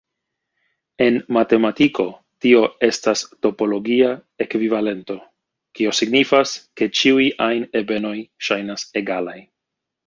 En matematiko, tio estas topologia ekvivalento, kio signifas, ke ĉiuj ajn ebenoj ŝajnas egalaj.